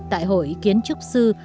tại hội kiến trúc sư